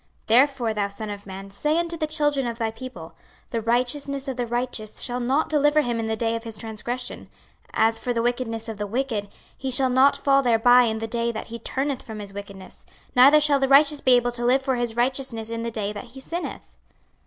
26:033:012 Therefore, thou son of man, say unto the children of thy people, The righteousness of the righteous shall not deliver him in the day of his transgression: as for the wickedness of the wicked, he shall not fall thereby in the day that he turneth from his wickedness; neither shall the righteous be able to live for his righteousness in the day that he sinneth.